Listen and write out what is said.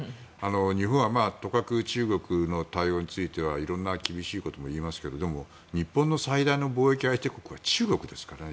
日本はとかく中国の対応についてはいろんな厳しいことを言いますけどでも、日本の最大の貿易相手国は中国ですからね。